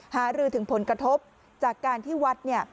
หารือถึงผลกระทบจากการที่วัดเนี่ย